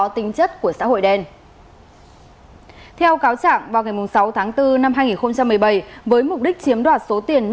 xin chào và hẹn gặp lại